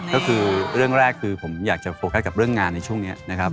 ก็คือเรื่องแรกคือผมอยากจะโฟกัสกับเรื่องงานในช่วงนี้นะครับ